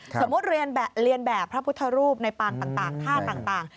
สมมุติเรียนแบบพระพุทธรูปในปางต่างท่าต่าง